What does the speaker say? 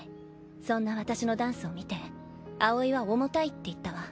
そんな私のダンスを見て葵は重たいって言ったわ。